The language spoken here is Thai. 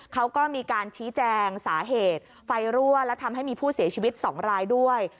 เขาก็มีการชี้แจงสาเหตุไฟรั่วและทำให้มีผู้เสียชีวิต๒รายด้วย